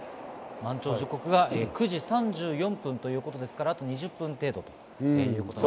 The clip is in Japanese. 満潮時刻が９時３４分ということですから、あと２０分程度ということです。